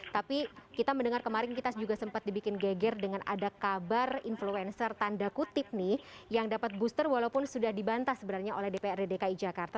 tapi kita mendengar kemarin kita juga sempat dibikin geger dengan ada kabar influencer tanda kutip nih yang dapat booster walaupun sudah dibantah sebenarnya oleh dprd dki jakarta